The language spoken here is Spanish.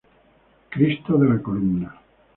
Cristo de la Columna.